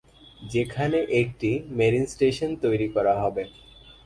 যেখানে একটি marine station তৈরি করা হবে।